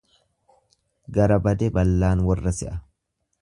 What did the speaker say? Gara bade ballaan warra se'a.